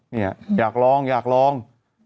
เนี่ยอยากลองอยากลอง